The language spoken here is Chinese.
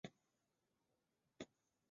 但传统上画师以紫色作为黄的互补色。